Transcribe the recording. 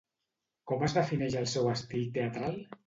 Com es defineix el seu estil teatral?